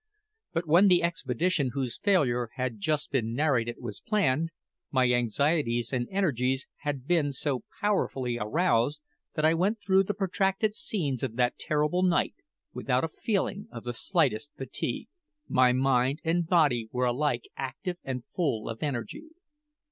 But when the expedition whose failure has just been narrated was planned, my anxieties and energies had been so powerfully aroused that I went through the protracted scenes of that terrible night without a feeling of the slightest fatigue. My mind and body were alike active and full of energy.